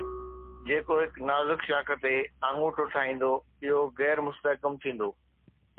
جيڪو هڪ نازڪ شاخ تي آڱوٺو ٺاهيندو، اهو غير مستحڪم ٿيندو